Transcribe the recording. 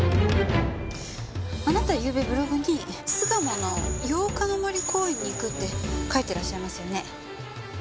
あなたゆうべブログに巣鴨の八日の森公園に行くって書いてらっしゃいますよね？